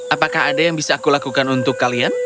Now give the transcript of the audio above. apakah ada yang bisa aku lakukan untuk kalian